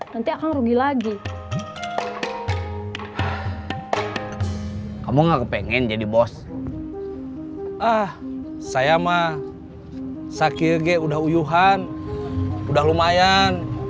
nanti akan rugi lagi kamu nggak kepengen jadi bos ah saya mah sakit udah uyuhan udah lumayan